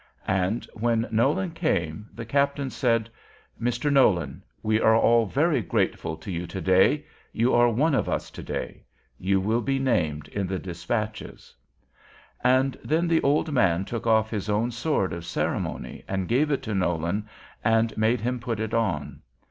And when Nolan came, he said, "Mr. Nolan, we are all very grateful to you to day; you are one of us to day; you will be named in the despatches." And then the old man took off his own sword of ceremony, and gave it to Nolan, and made him put it on.